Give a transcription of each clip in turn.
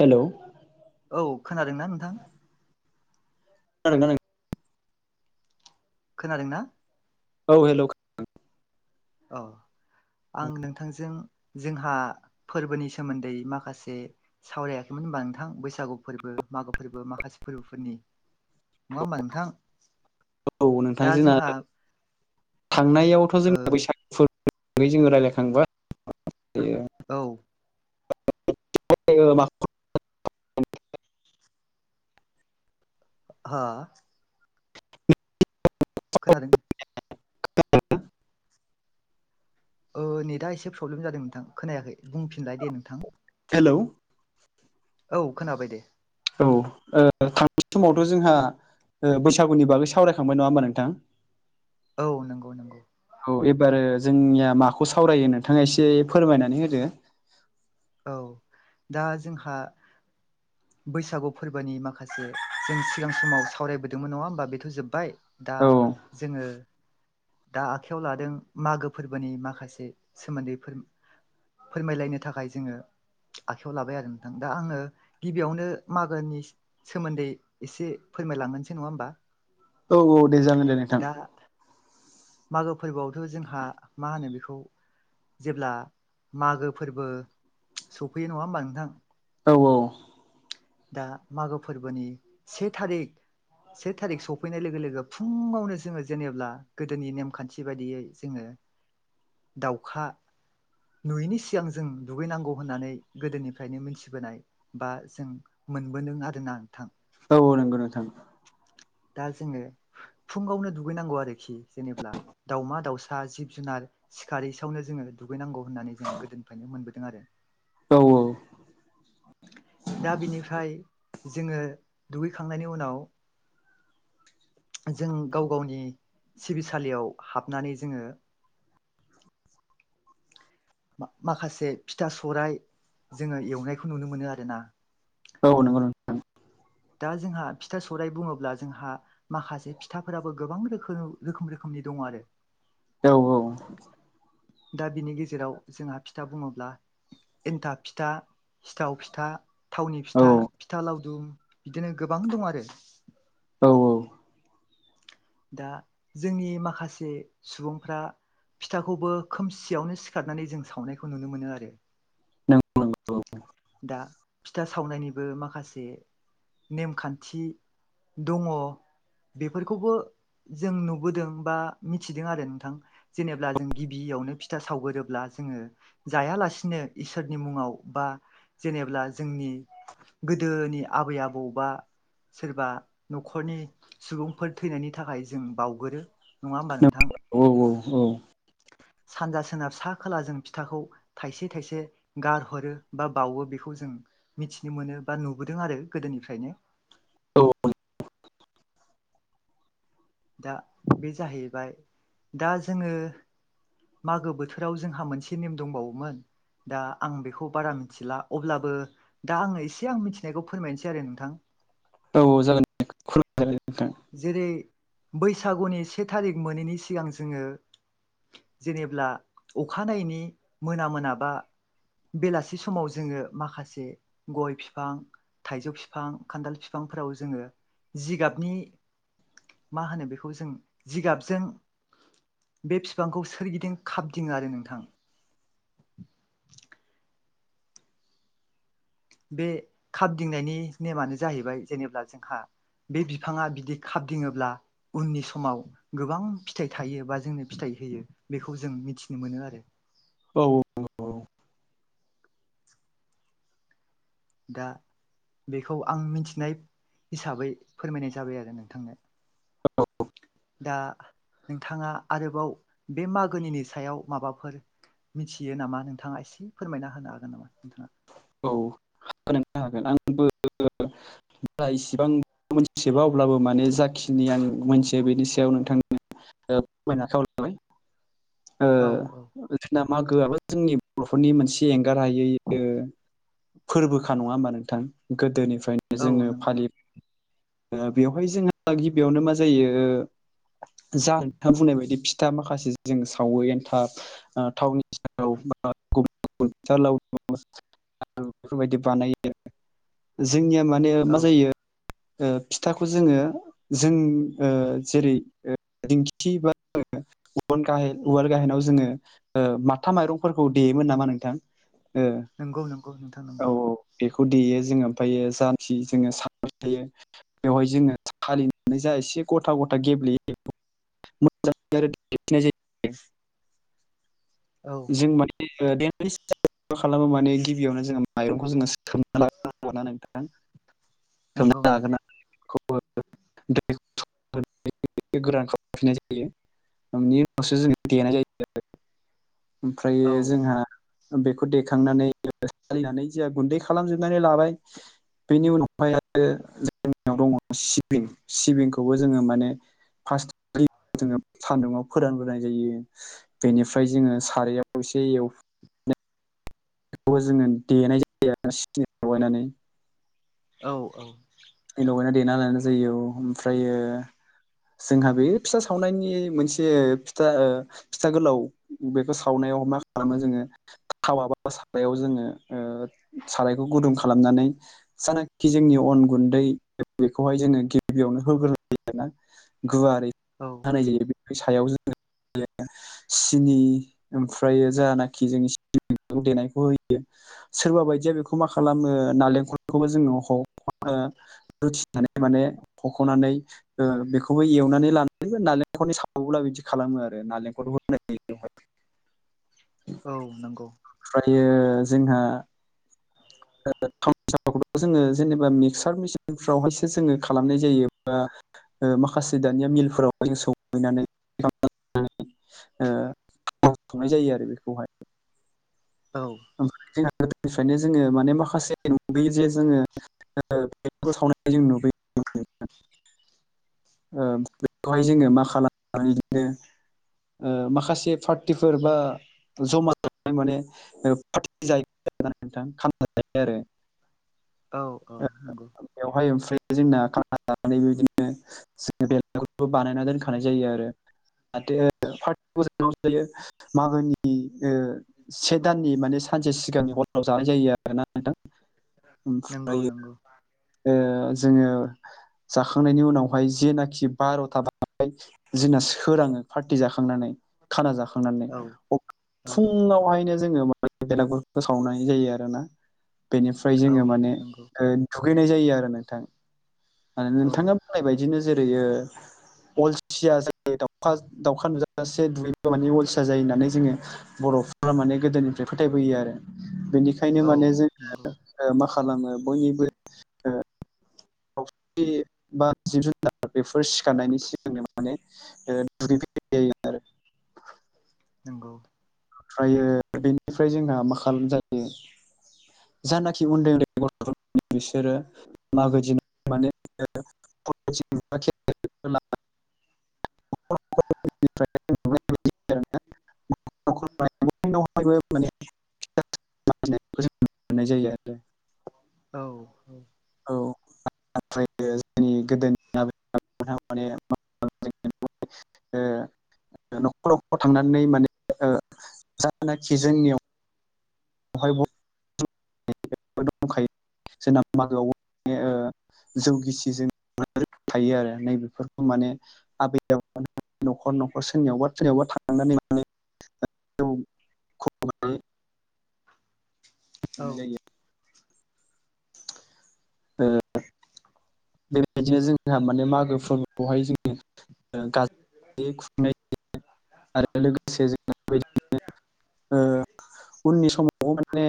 Hello औ खोनादों ना नोंथां खोनादों ना नों खोनाद औ हेलौ खो औ आं नोंथांजों जोंहा फोरबोनि सोमोन्दै माखासे सावरायाखैमोन होनबा नोंथां बैसागु फोरबो मागो फोरबो माखासे फोरबोफोरनि नङा होमबा नोंथां औ नोंथां दा जोंना जोंहा थांनायावथ' ओ जोंना बैसागु फोर [unintelligible] जोङो रायज्लायखांबा औ [unintelligible] मा हो खोनादों खोनादों ना ओ नेटआ एसे प्रब्लेम जादों नोंथां खोनायाखै बुंफिनलाय दे नोंथां हेलौ औ खोनाबाय दे औ ओ थांनाय समावथ' जोंहा ओ बैसागुनि बागै सावरायखांबाय नङा होमबा नोंथां औ नोंगौ नोंगौ औ एबारो जोंनिया माखौ सावरायो नोंथाङा एसे फोरमायनानै होदो औ दा जोंहा बैसागु फोरबोनि माखासे जों सिगां समाव सावरायबोदोंमोन नङा होमबा बेथ' जोब्बाय दा औ जोङो दा आखयाव लादों मागो फोरबोनि माखासे सोमोन्दैफोर फोरमायलायनो थाखाय जोङो आखाइयाव लाबाय आरो नोंथां दा आङो गिबियावनो मागोनि सोमोन्दै एसे फोरमायलांहोनसै नङा होमबा औ औ दे जागोन दे नोंथां दा मागो फोरबोआवथ' जोंहा मा होनो बेखौ जेब्ला मागो फोरबो सौफैयो नङा होमबा नोंथां औ औ दा मागो फोरबोनि से थारिख से थारिख सफैनाय लोगो लोगो फुङावनो जोङो जेनेब्ला गोदोनि नेमखान्थि बायदियै जोङो दाउखा नुयैनि सिगां जों दुगैनांगौ होननानै गोदोनिफ्रायनो मिथिबोनाय बा जों मोनबोदों आरोना नोंथां औ औ नोंगौ नोंथां दा जोङो फुङावनो दुगैनांगौ आरोखि जेनेब्ला दाउमा दाउसा जिब जुनार सिखारारि सावनो जोङो दुगैनांगौ होननानै जों गोदोनिफ्रायनो मोनबोदों आरो औ दा बिनिफ्राय जोङो दुगैखांनायनि उनाव जों गाव गावनि सिबिसालियाव हाबनानै जोङो माखासे फिथा सौराय जोङो एवनायखौ नुनो मोनो आरो ना औ नंगौ नों दा जोंहा फिथा सौराइ बुङोब्ला जोंहा माखासे फिथाफोराबो गोबां रोखोम रोखोम रोखोमनि दङ आरो औ औ दा बिनि गेजेराव जोंहा फिथा बुङोब्ला एन्थाब फिथा सिथाव फिथा थावनि औ फिथा फिथा लावदुम बिदिनो गोबां दं आरो औ दा जोंनि माखासे सुबुंफ्रा फिथाखौबो खोमसियावनो सिखारनानै जों सावनायखौ नुनो मोनो आरो नों दा फिथा सावनायनिबो माखासे नेमखान्थि दङ बेफोरखौबो जों नुबोदों बा मिथिदों आरो नोंथां जेनेब्ला जों गिबियावनो फिथा सावगोरोब्ला जोङो जायालासिनो इसोरनि मुङाव बा जेनेब्ला जोंनि गोदोनि आबै आबौ बा सोरबा न'खरनि सुबुंफोर थैनायनि नि थाखाय जों बावगोरो नङा होमबा नोंथां औ औ औ सानजा सोनाब सा खोला जों फिथाखौ थाइसे थाइसे गारहरो बा बावो बेखौ जों मिथिनो मोनो बा नुबोदों आरो गोदोनिफ्रायनो औ दा बे जाहैबाय दा जोङो मागो बोथोराव जोंहा मोनसे नेम दंबावोमोन दा आं बेखौ बारा मिथिला अब्लाबो दा आङो एसे आं मिथिनायखौ फोरमायनोसै आरो नोंथां औ औ जागोन [unintelligible] नोंथां जेरै बैसागुनि से थारिख मोनैनि सिगां जोङो जेनेब्ला अखानायनि मोना मोनाबा बेलासि समाव जोङो माखासे गय बिफां थाइजौ फिफां खान्थाल फिफांफोराव जोङो जिगाबनि मा होनो बेखौ जों जिगाबजों बे बिफांखौ सोरगिदिं खाबदिङो आरो नोंथां बे खाबदिंनायनि नेमानो जाहैबाय जेनेब्ला जोंहा बे बिफाङा बिदि खाबदिङोब्ला उननि समाव गोबां फिथाइ थायो बा जोंनो फिथाइ होयो बेखौ जों मिथिनो मोनो आरो औ दा बेखौ आं मिथिनाय हिसाबै फोरमायनाय जाबाय आरो नोंथांनो औ दा नोंथाङा आरोबाव बे मागोनिनो सायाव माबाफोर मिथियो नामा नोंथाङा एसे फोरमायना होनो हागोन नामा नोंथाङा औ हागोन नोंथां हागोन [unintelligible] मोनथिजोबा अब्लाबो माने जाखिनि आं मोनथियो बेनि सायाव नोंथांनो ओ फोरमायनो आखायाव लाबाय ओ औ औ जोंना मागोआबो जोंनि बर'नि मोनसे एंगार हायै ओ फोरबोखा नङा होमबा नोंथां गोदोनिफ्रायनो औ जोङो नंगौ फालि ओ बेवहाय जोंहा गिबियावनो मा जायो जा नोंथाङा बुंनाय बायदि फिथा माखासे जों सावो एन्थाब आ थावनि औ [unintelligible] [unintelligible] [unintelligible] बेफोरबायदि बानायो जोंनिया माने मा औ जायो ओ फिथाखौ जोङो जों ओ जेरै ओ दिंखि बा उवाल गाहे उवाल गाहेनाव जोङो ओ माथा माइरंफोरखौ देयोमोन नामा नोंथां? ओं नोंगौ नोंगौ नोंथां। नंगौ औ औ बेखौ देयो जोङो ओमफ्रायो [unintelligible] जोङो सानबाय थायो बेवहाय जोङो सालिनानै जा एसे गथा गथा गेब्लेयो [unintelligible] औ जायो जों माने ओ देनानै [unintelligible] खालामो माने गिबियावनो जोङो माइरंखौ जोङो खोबना [unintelligible] ना नोंथां नंगौ नंगौ [unintelligible] [unintelligible] गोरान खालामफिनाय जायो। नि उनावसो जोङो देनाय जायो। ओमफ्रायो औ जोंहा बेखौ देखांनानै सालिनानै जाहा गुन्दै खालामजोबनानै लाबाय। बेनि उनावहाय आरो जोंनियाव दङ सिबिं सिबिंखौबो जोङो माने फास्ट [unintelligible] जोङो सान्दुङाव फोरानग्रोनाय जायो बेनिफ्राय जोङो सारायाव एसे एव बेखौबो जोङो देनाय जायो आरोना सिनि लगायनानै। औ औ लगायना देना लानाय जायो औ ओमफ्रायो जोंहा बे फिथा सावनायनि मोनसे फिथा ओ फिथा गोलाव बेखौ सावनायाव मा खालामो जोङो थावा बा सारायाव जोङो सारायखौ गुदुं खालामनानै जानाखि जोंनि अन गुन बेखौहाय जोङो गिबियावनो होग्रोनाय जायो आरोना गुवारै। औ होनाय जायो बे सायाव जोङो [unintelligible] सिनि ओमफ्रायो जानाखि जोंनि सिबिंखौ देनायखौ होयो। सोरबा बायदिया बेखौ मा खालामो नालेंखलखौबो जोङो ह [unintelligible] ओ [unintelligible] थानायखौ माने हख'नानै बेखौबो एवनानै लानानै नालेंखलनि सावोब्ला बिदि खालामो आरो नालेंखल होनायावहाय। औ नंगौ। ओमफ्रायो जोंहा ओ थावनि सावबाबो जोङो जेनेबा मिक्चार मिसिनफ्रावहायसो जोङो खालामनाय जायो बा ओ माखासे दानिया मिलफोरावहाय जों सौहैनानै ओ खावनाय जायो आरो बेखौहाय। औ ओमफ्राय जोंहा गोदोनिफ्रायनो जोङो माने माखासे नुबोयो जे जोङो ओ बेफोरखौ सावनाय जों नुबोयो। [inaudible] ओ बेखौहाय जोङो मा खालामो बिदिनो ओ माखासे पार्टिफोर बा जमा जानाय माने ओ ओ पार्टि जायो आरोना नोंथां खाम जायो आरो। औ औ ओ नंगौ। बेवहाय ओमफ्राय जोंना खाना जानानै बिदिनो जों बेलागुर बानायना दोनखानाय जायो आरो जाथे पार्टि [unintelligible] जायो। मागोनि ओ से दाननि माने सानसे सिगांनि हराव जानाय जायो आरोना नोंथां। नंगौ ओमफ्रायो नंगौ ओ जोंङो जाखांनायनि उनावहाय जेनाखि बार'था बारबाय जोंना सोराङो पार्टि जाखांनानै खाना जाखांनानै औ औ फुङावहायनो जोंङो बेलागुर फो सावनाय जायो आरोना बेनिफ्राय औ जोंङो माने नंगौ दुगैनाय जायो आरो नोंथां मान औ नोंथाङा बुंनाय औ बादिनो जेरैयो अलसिया जायो दाउखा दाउखा नुजासे दुगै बा मानि अलसिया जायो होननानै जोंङो बर'फोरा माने गोदोनिफ्राय फोथायबोयो आरो बेनिखायनो औ माने नंगौ जोंङो मा खालामो बयनिबो दाउसिन एबा जिब जुनार बेफोर सिखारनायनि सिगांनो माने ओ [unintelligible] आरो नंगौ ओमफ्रायो बेनिफ्राय जोंहा मा खालाम जायो जानाखि उन्दै उन्दै गथ'फोर बिसोरो माबादि माने [unintelligible] [inaudible] [unintelligible] औ औ औ ओमफ्रायो जोंनि गोदोनि माने [unintelligible] ओ न'खर नखर थांनानै माने ओ जानाखि जोंनियाव बेहाय दंखायो जोंना मागोआव माने ओ जौ गिसिजों थायो आरो। नै बेफोरखौ माने आबै न'खर न'खर सोरनिआवबा सोरनियावबा थांनानै माने जौखौ औ मोननाय जायो ओ बेबायदिनो जोंहा माने मागो फोरबोखौहाय जोंङो गाज्रि खुंनाय आरो लोगोसे जों बेबायदिनो ओ उननि समावबो माने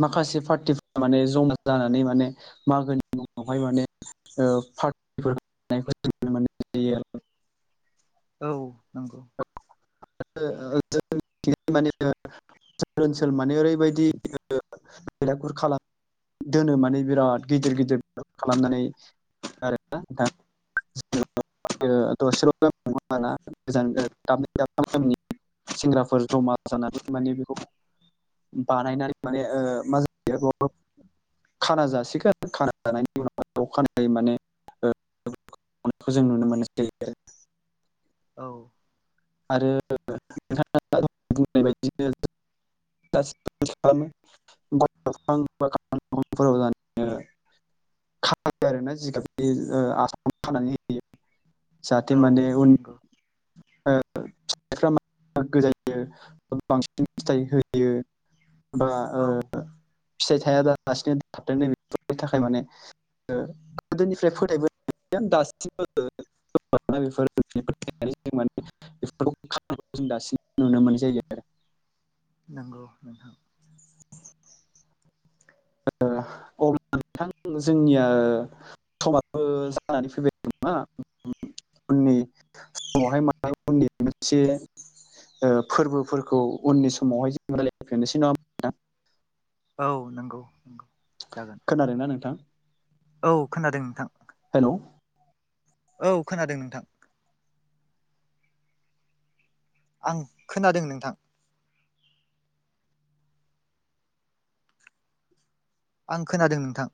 माखासे पार्टिफ्रा माने जमा जानानै माने मागोनि मुङावहाय माने पार्टि औ नंगौ जों मि माने ओनसोल माने ओरै बेबायदिलागुर खालाम दोनो माने बिराद गिदिर गिदिर खालामनानै आरोना नोंथां जेनेबा दसेल गोजान गोजान दाबलिं दाबलिं [unintelligible] सेंग्राफोर जमा जानानै माने बेखौ बानायनानै माने मा जायो खाना जासिगोन खाना जानायनि उनाव खानायै माने नायखौ जों नुनो मोननाय जायो आरो। औ आरो नोंथाङा बुंनाय बायदिनो [unintelligible] आरोना जिगाब आसाम खानानै होयो औ जाहाथे माने उन नंगौ फिथफ मो जायो बांसिन फिथाइ होयो बा औ फिथाइ थाइ दालासिनो थाबदों बेफोरनि थाखाय माने गोदोनिफ्राय फोथायबो दासिमबो बेफोरो माने बेफोरखौ जों दासिम नुनो मोननाय जायो आरो। नंगौ नोंथां [inaudible] अ [unintelligible] बिथां जोंनिया समो जानानै फैबाय नामा? उननि समावहाय माब उननि मोनसे [unintelligible] फोरबोफोरखौ उननि समावहाय जों रायलायफिननोसै नङा? होमबा नोंथां औ नंगौ नंगौ जागोन। खोनादों ना नोंथां? औ खोनादों नोंथां। हेल' औ खोनादों नोंथां। आं खोनादों नोंथां। आं खोनादों नोंथां।